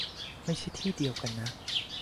ไม่ใช่ที่เดียวกันนะ